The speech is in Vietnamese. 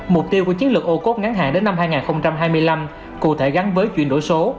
mục tiêu của chiến lược ô cốt ngắn hạn đến năm hai nghìn hai mươi năm cụ thể gắn với chuyển đổi số